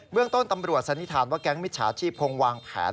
เมืองต้นตำรวจสันนิษฐานว่าแก๊งมิจฉาชีพคงวางแผน